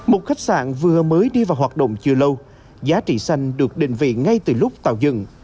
một khách sạn vừa mới đi vào hoạt động chưa lâu giá trị xanh được định vị ngay từ lúc tạo dừng